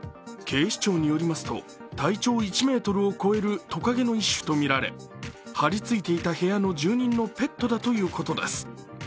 警視庁によりますと、体長１ｍを超えるトカゲの一種とみられ張りついていた部屋の住人のペットだということです。